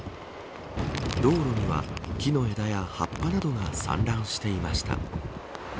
道路には木の枝や葉っぱなどが散乱していました。